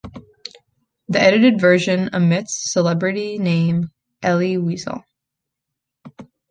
The edited version omits the celebrity's name-Elie Wiesel.